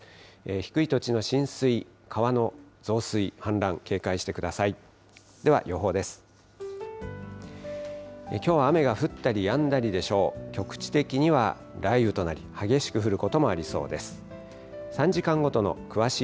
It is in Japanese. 低い土地の浸水、川の増水、氾濫、警戒してください。